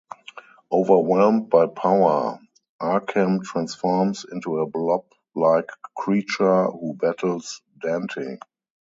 Overwhelmed by power, Arkham transforms into a blob-like creature who battles Dante.